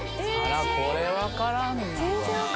これ分からんなぁ。